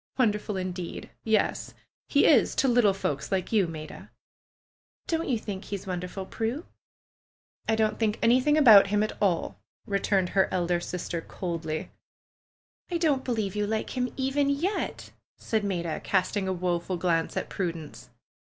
^'Wonderful, indeed! Yes, he is to little folks like you, Maida." ''Don't you think he is wonderful, Prue?'^ "I don't think anything about him at all," returned her elder sister coldly. 186 PRUE'S GARDENER "I don't believe yon like him even yet !" said Maida, casting a woeful glance at Prudence.